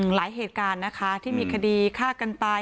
หลายเหตุการณ์นะคะที่มีคดีฆ่ากันตาย